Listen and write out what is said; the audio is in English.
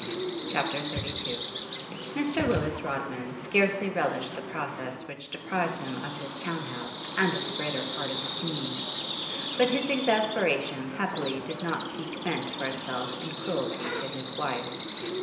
CHAPTER XXXII Mr. Willis Rodman scarcely relished the process which deprived him of his town house and of the greater part of his means, but his exasperation happily did not seek vent for itself in cruelty to his wife.